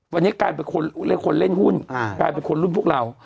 วันนี้กลายเป็นคนเล่นหุ้นกลายเป็นคนรุ่นพวกเรา